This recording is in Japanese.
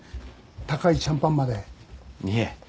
高いシャンパンまでいえ